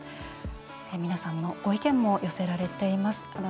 皆さんのご意見も寄せられています。